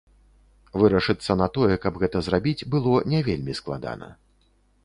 Вырашыцца на тое, каб гэта зрабіць, было не вельмі складана.